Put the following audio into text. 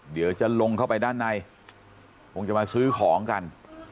เดี๋ยวจะลงเข้าไปด้านในคงจะมาซื้อของกัน